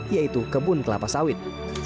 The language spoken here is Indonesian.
yaitu kebun kelapa sawit